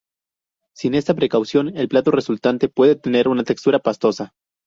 Sin esta precaución, el plato resultante puede tener una textura pastosa.